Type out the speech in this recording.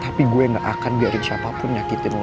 tapi gue gak akan biarin siapa pun nyakitin lo